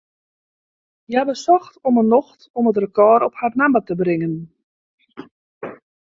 Hja besocht om 'e nocht om it rekôr op har namme te bringen.